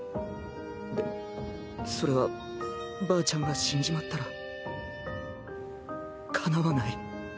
でもそれはばあちゃんが死んじまったらかなわない。